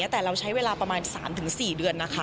แต่เราใช้เวลาประมาณ๓๔เดือนนะคะ